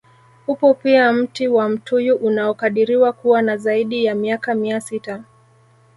Upo pia mti wa mtuyu unaokadiriwa kuwa na zaidi ya miaka mia sita